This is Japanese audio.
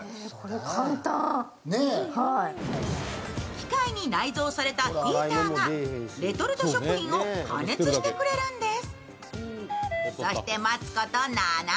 機械に内蔵されたヒーターがレトルト食品を加熱してくれるんです。